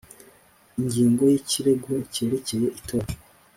ingingo y ikirego cyerekeye itora